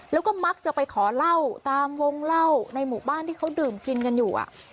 แล้วก็มักจะไปขอเหล้าตามวงเล่าในหมู่บ้านที่เขาดื่มกินกันอยู่